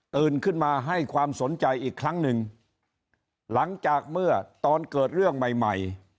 ขึ้นมาให้ความสนใจอีกครั้งหนึ่งหลังจากเมื่อตอนเกิดเรื่องใหม่ใหม่